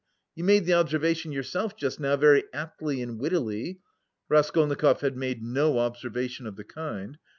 You made the observation yourself just now very aptly and wittily." (Raskolnikov had made no observation of the kind.)